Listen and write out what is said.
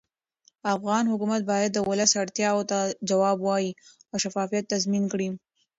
افغان حکومت باید د ولس اړتیاوو ته ځواب ووایي او شفافیت تضمین کړي